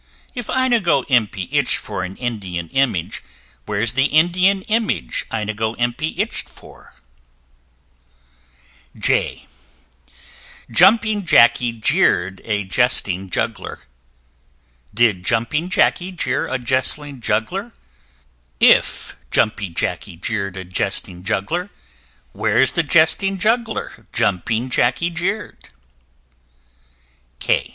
If Inigo Impey itched for an Indian Image, Where's the Indian Image Inigo Impey itch'd for? J j [Illustration: Jumping Jackey] Jumping Jackey jeer'd a Jesting Juggler: Did Jumping Jackey jeer a Jesting Juggler? If Jumping Jackey jeer'd a Jesting Juggler, Where's the Jesting Juggler Jumping Jackey jeer'd?